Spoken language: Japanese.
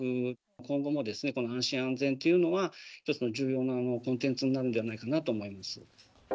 今後もですね、安心安全というのは、一つの重要なコンテンツになるんじゃないかなと思います。